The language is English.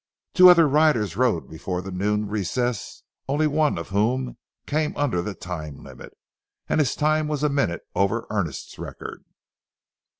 Two other riders rode before the noon recess, only one of whom came under the time limit, and his time was a minute over Earnest's record.